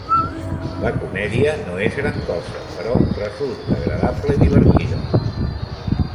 La comèdia no és gran cosa, però resulta agradable i divertida.